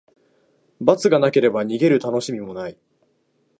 罰がなければ、逃げるたのしみもない。